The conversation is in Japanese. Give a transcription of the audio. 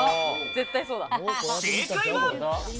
正解は。